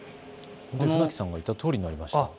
船木さんが言ったとおりになりましたね。